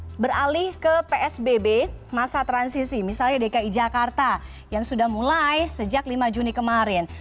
kita beralih ke psbb masa transisi misalnya dki jakarta yang sudah mulai sejak lima juni kemarin